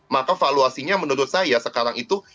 maka valuasinya menurut saya sekarang itu